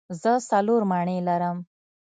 زه څلور مڼې لرم.